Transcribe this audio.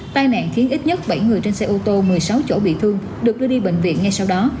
tai nạn khiến ít nhất bảy người trên xe ô tô một mươi sáu chỗ bị thương được đưa đi bệnh viện ngay sau đó